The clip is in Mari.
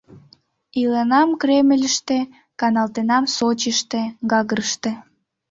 Иленам Кремльыште, каналтенам Сочиште, Гагрыште.